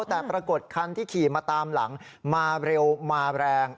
แต่ปรากฏคันที่ขี่มาตามหลังมาเร็วมาแรง